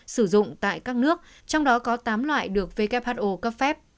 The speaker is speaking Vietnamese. sử dụng tại các nước trong đó có tám loại được who cấp phép